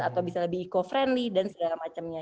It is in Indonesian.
atau bisa lebih eco friendly dan segala macamnya